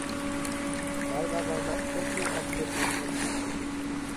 তার বাবার নাম ফকির আবদুল মান্নান শাহ।